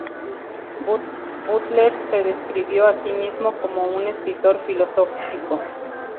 Butler se describió a sí mismo como un "escritor filosófico".